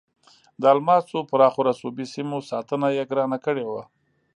د الماسو پراخو رسوبي سیمو ساتنه یې ګرانه کړې وه.